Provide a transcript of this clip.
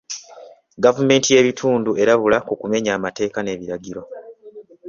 Gavumenti y'ebitundu erabula ku kumenya amateeka n'ebiragiro.